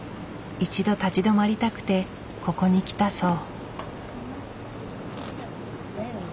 一度立ち止まりたくてここに来たそう。